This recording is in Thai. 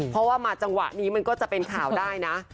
เพราะว่ามาจังหวะนี้มันก็จะเป็นข่าวได้นะ